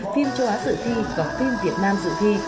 phim châu á sự thi và phim việt nam dự thi